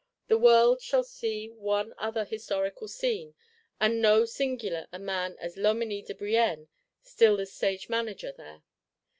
—the World shall see one other Historical Scene; and so singular a man as Loménie de Brienne still the Stage manager there.